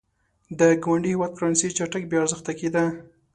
د ګاونډي هېواد کرنسي چټک بې ارزښته کېده.